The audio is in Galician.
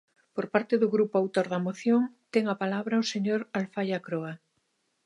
Por parte do grupo autor da moción, ten a palabra o señor Alfaia Croa.